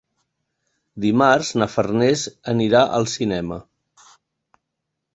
Dimarts na Farners anirà al cinema.